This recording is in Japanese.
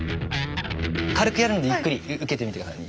軽くやるのでゆっくり受けてみて下さいね。